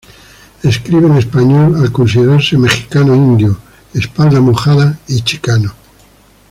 Escribe en español, al considerarse "mexicano indio, espalda mojada y chicano".